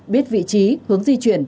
biết vị trí hướng di chuyển